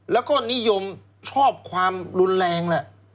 และนิยมชอบความรุนแรง